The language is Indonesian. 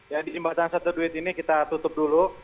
ya di jembatan satu duit ini kita tutup dulu